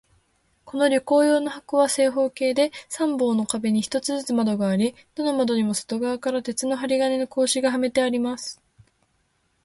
この旅行用の箱は、正方形で、三方の壁に一つずつ窓があり、どの窓にも外側から鉄の針金の格子がはめてあります。